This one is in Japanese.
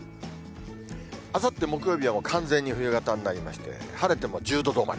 あさって木曜日は完全に冬型になりまして、晴れても１０度止まり。